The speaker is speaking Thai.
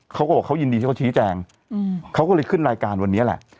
เขาก็บอกเขายินดีที่เขาชี้แจงเขาก็เลยขึ้นรายการวันนี้แหละ